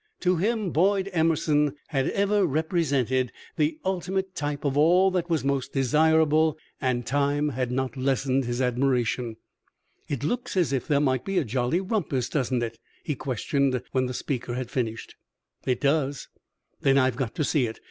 To him, Boyd Emerson had ever represented the ultimate type of all that was most desirable, and time had not lessened his admiration. "It looks as if there might be a jolly rumpus, doesn't it?" he questioned, when the speaker had finished. "It does." "Then I've got to see it.